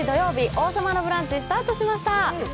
「王様のブランチ」スタートしました。